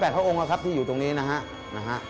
๑๐๘พระองค์ครับที่อยู่ตรงนี้นะครับ